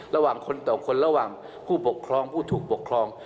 ระหว่างคนต่อคนระหว่างผู้ปกครองผู้ถูกปกครอง